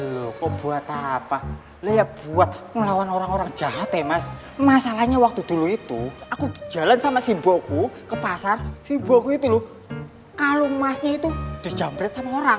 lo kok buat apa lewat buat ngelawan orang orang jahat ya mas masalahnya waktu dulu itu aku jalan sama simpoku ke pasar simpoku itu kalau masnya itu dijamret sama orang